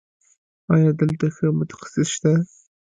ایا دلته ښه متخصص شته؟